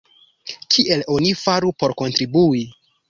Kiel oni faru por kontribui?